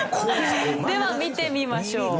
では見てみましょう。